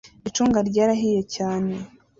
Icunga ryarahiye cyane